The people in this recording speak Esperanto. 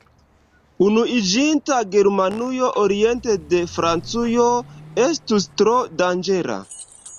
Unuiĝinta Germanujo oriente de Francujo estus tro danĝera.